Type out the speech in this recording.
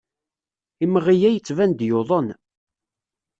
Imɣi-a yettban-d yuḍen.